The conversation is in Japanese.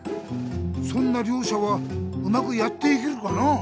そんなりょうしゃはうまくやっていけるかな？